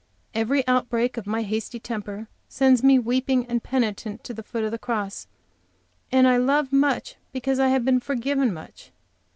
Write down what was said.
Every outbreak of my hasty temper sends me weeping and penitent to the foot of the cross, and I love much because I have been forgiven much.